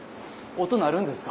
音鳴るんですか。